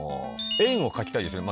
円を描きたいですよね